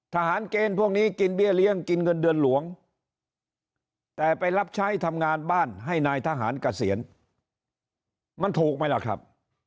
ทหารเกณฑ์พวกนี้กินเบี้ยเลี้ยงกินเงินเดือนหลวงแต่ไปรับใช้ทำงานบ้านให้นายทหารเกษียณมันถูกไหมล่ะครับ